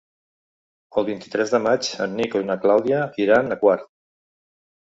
El vint-i-tres de maig en Nico i na Clàudia iran a Quart.